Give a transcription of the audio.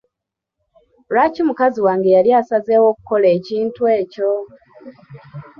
Lwaki mukazi wange yali asazeewo okukola ekintu ekyo?